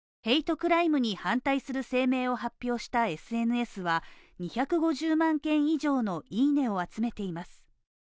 クライムに反対する声明を発表したＳＮＳは２５０万件以上のいいねを集めています